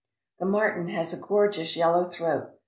The marten has a gor geous yellow throat.